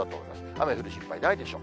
雨降る心配ないでしょう。